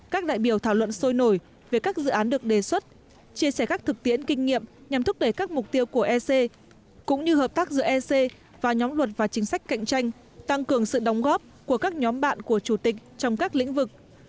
các đại biểu thảo luận sôi nổi về các dự án được đề xuất chia sẻ các thực tiễn kinh nghiệm nhằm thúc đẩy các mục tiêu của ec cũng như hợp tác giữa ec và nhóm luật và chính sách cạnh tranh tăng cường sự đóng góp của các nhóm bạn của chủ tịch trong các lĩnh vực